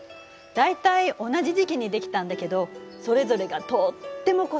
大体同じ時期にできたんだけどそれぞれがとっても個性的。